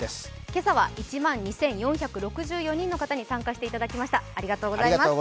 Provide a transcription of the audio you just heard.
今朝は１万２４６４人の方に参加していただきました。